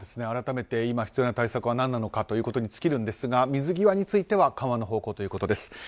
改めて今必要な対策は何なのかということに尽きるんですが水際については緩和の方向ということです。